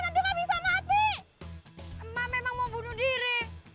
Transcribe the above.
kenapa mau bunuh diri